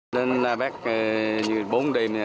nên bác như bốn đêm nha